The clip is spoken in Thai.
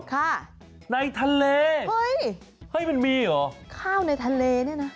ค่ะในทะเลเฮ้ยเฮ้ยมันมีเหรอข้าวในทะเลเนี่ยนะ